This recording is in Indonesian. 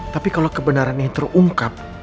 tapi kalau kebenaran ini terungkap